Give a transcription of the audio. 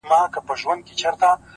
تا ولي په سوالونو کي سوالونه لټوله ;